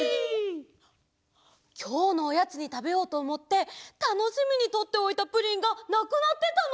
きょうのおやつにたべようとおもってたのしみにとっておいたプリンがなくなってたの！